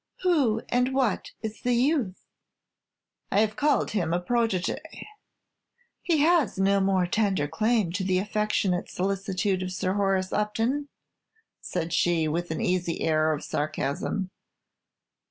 "Who and what is the youth?" "I have called him a protégé." "Has he no more tender claim to the affectionate solicitude of Sir Horace Upton?" said she, with an easy air of sarcasm.